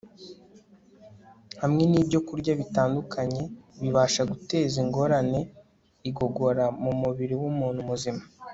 hamwe n'ibyokurya bitandukanye bibasha guteza ingorane igogora mu mubiri w'umuntu muzima